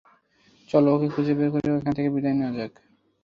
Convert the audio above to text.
চলো ওকে খুঁজে বের করে এখান থেকে বিদায় নেয়া যাক।